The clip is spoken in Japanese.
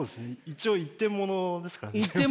一応一点ものですからね。